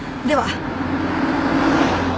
では。